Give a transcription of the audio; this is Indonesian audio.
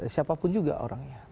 siapapun juga orangnya